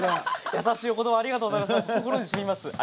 やさしいお言葉ありがとうございます。